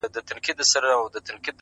مخامخ وتراشل سوي بت ته گوري؛